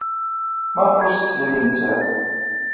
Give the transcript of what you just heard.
Maɣef ur as-teslim i nettat?